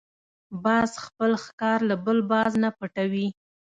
باز خپل ښکار له بل باز نه پټوي